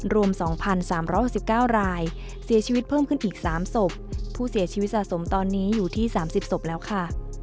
รวม๒๓๖๙รายเสียชีวิตเพิ่มขึ้นอีก๓ศพผู้เสียชีวิตสะสมตอนนี้อยู่ที่๓๐ศพแล้วค่ะ